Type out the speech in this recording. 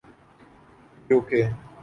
you کے